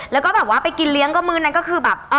แล้วก็แบบว่าไปกินเลี้ยงก็มื้อนั้นก็คือแบบ